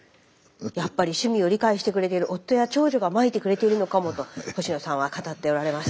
やっぱり趣味を理解してくれてる夫や長女がまいてくれてるのかもと星野さんは語っておられます。